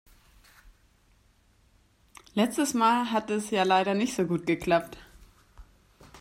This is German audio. Letztes Mal hat es ja leider nicht so gut geklappt.